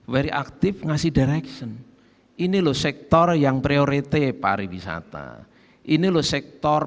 very active ngasih direction ini loh sektor yang priorite pariwisata ini loh sektor